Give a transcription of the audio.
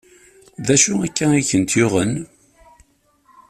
D acu akka i kent-yuɣen?